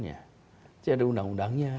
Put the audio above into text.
nya ada undang undangnya